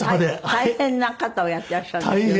大変な方をやってらっしゃるんですってね。